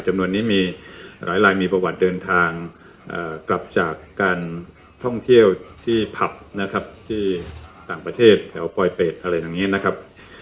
จำนวนนี้มีหลายลายมีประวัติเดินทางกลับจากการท่องเที่ยวที่ผับนะครับที่ต่างประเทศแถวปลอยเป็ดอะไรอย่างนี้นะครับ